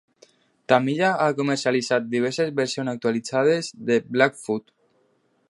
Tamiya ha comercialitzat diverses versions actualitzades del Blackfoot.